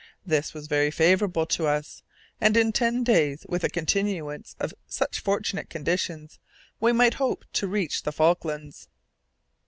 This was very favourable to us, and in ten days, with a continuance of such fortunate conditions, we might hope to reach the Falklands.